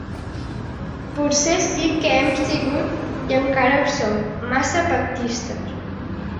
Potser sí que hem sigut, i encara ho som, massa pactistes.